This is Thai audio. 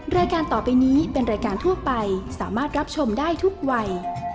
รายการต่อไปนี้เป็นรายการทั่วไปสามารถรับชมได้ทุกวัย